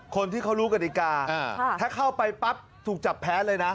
คนที่เขารู้กฎิกาถ้าเข้าไปปั๊บถูกจับแพ้เลยนะ